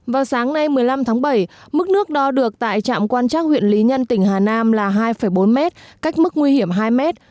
vào sáng nay một mươi năm tháng bảy mức nước đo được tại trạm quan trác huyện lý nhân tỉnh hà nam là hai bốn mét cách mức nguy hiểm hai mét